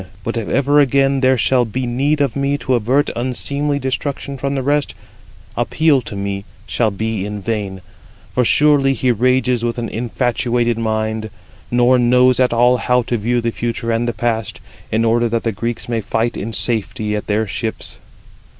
But if ever again there shall be need of me to avert unseemly destruction from the rest, [appeal to me shall be in vain], 44 for surely he rages with an infatuated mind, nor knows at all how to view the future and the past, in order that the Greeks may fight in safety at their ships."